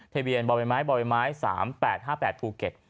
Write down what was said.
เทเบียนบอเบนไม้บอเบนไม้๓๘๕๘ภูเก็ต